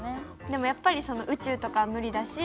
でもやっぱり宇宙とかは無理だし。